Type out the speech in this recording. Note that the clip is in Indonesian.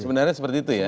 sebenarnya seperti itu ya